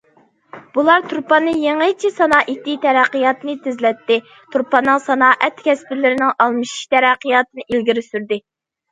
بۇلار تۇرپاننى يېڭىچە سانائىتى تەرەققىياتىنى تېزلەتتى، تۇرپاننىڭ سانائەت كەسىپلىرىنىڭ ئالمىشىش تەرەققىياتىنى ئىلگىرى سۈردى.